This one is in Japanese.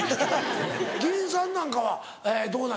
議員さんなんかはどうなの？